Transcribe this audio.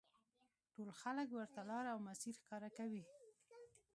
ټول خلک ورته لاره او مسیر ښکاره کوي.